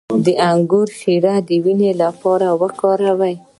د انګور شیره د وینې لپاره وکاروئ